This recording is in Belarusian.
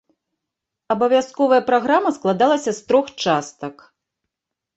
Абавязковая праграма складалася з трох частак.